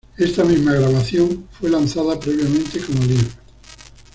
Esta misma grabación fue lanzada previamente como Live!